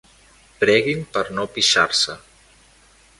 Preguin per no pixar-se.